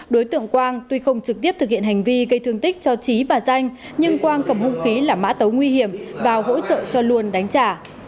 đối tượng quang tuy không trực tiếp thực hiện hành vi gây thương tích cho trí và danh nhưng quang cầm hung khí là mã tấu nguy hiểm và hỗ trợ cho luân đánh trả